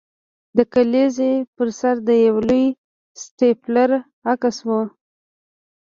د کلیزې پر سر د یو لوی سټیپلر عکس و